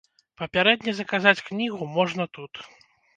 Папярэдне заказаць кнігу можна тут.